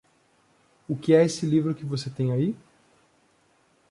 O que é esse livro que você tem aí?